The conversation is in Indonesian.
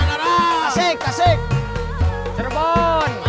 kelapa kelapa kelapa